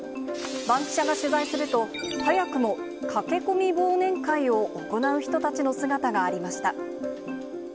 バンキシャが取材すると、早くも駆け込み忘年会を行う人たちの姿がありました。